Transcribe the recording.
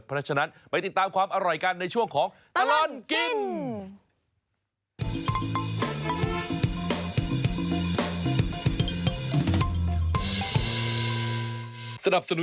เพราะฉะนั้นไปติดตามความอร่อยกันในช่วงของตลอดกิน